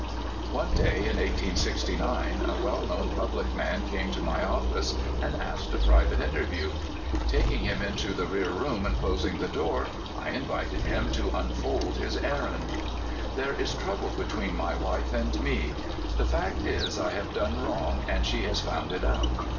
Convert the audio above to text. One day in 1869 a well known public man came to my office and asked a private interview. Tak ing him into the rear room and closing the door, I invited him to unfold his errand. " There is trouble betvv'een my wife and me. The fact is, I have done wrong, and she has found it out.